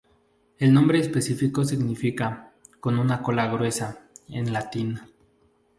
El nombre específico significa "con una cola gruesa" en latín.